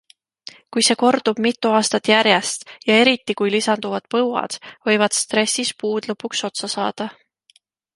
Kui see kordub mitu aastat järjest ja eriti kui lisanduvad põuad, võivad stressis puud lõpuks otsa saada.